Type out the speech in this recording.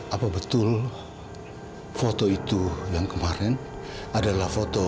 apa betul foto itu yang kemarin adalah foto